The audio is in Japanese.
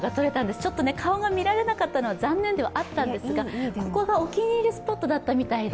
ちょっと顔が見られなかったのは残念ではあったんですが、ここがお気に入りスポットだったみたいで。